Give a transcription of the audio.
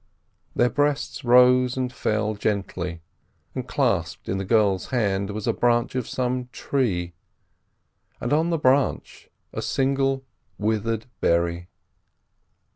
Their breasts rose and fell gently, and clasped in the girl's hand was a branch of some tree, and on the branch a single withered berry.